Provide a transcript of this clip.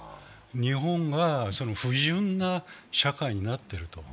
日本がゆがんだ社会になっていると。